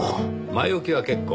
前置きは結構。